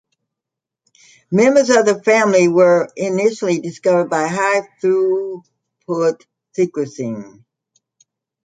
Members of the family were initially discovered by high throughput sequencing.